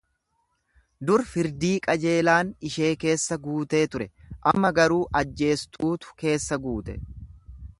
Dur firdii qajeelaan ishee keessa guutee ture, amma garuu ajjeestuutu keessa guute.